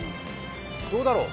どうだろう？